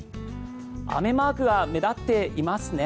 雨マークが目立っていますね。